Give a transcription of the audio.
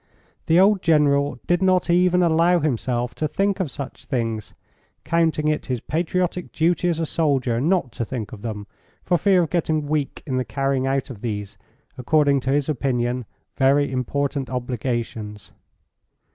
The old General did not even allow himself to think of such things, counting it his patriotic duty as a soldier not to think of them for fear of getting weak in the carrying out of these, according to his opinion, very important obligations.